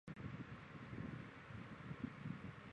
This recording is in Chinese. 当时永平地方议会选举是由联盟政府及劳工党参与竞选。